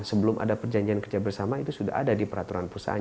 sebelum ada perjanjian kerja bersama itu sudah ada di peraturan perusahaan